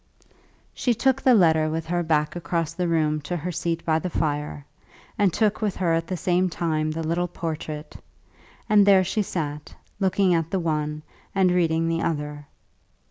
She took the letter with her, back across the room to her seat by the fire, and took with her at the same time the little portrait; and there she sat, looking at the one and reading the other.